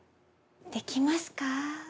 できますか？